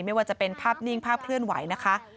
ไม่ว่าจะเป็นภาพนิ่งภาพเคลื่อนไหวนะคะ